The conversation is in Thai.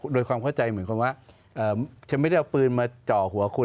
โดยความเข้าใจเหมือนกันว่าฉันไม่ได้เอาปืนมาจ่อหัวคุณ